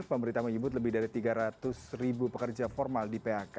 pemerintah menyebut lebih dari tiga ratus ribu pekerja formal di phk